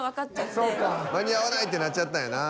間に合わないってなっちゃったんやな。